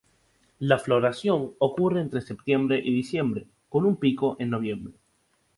La floración ocurre entre septiembre y diciembre, con un pico en noviembre.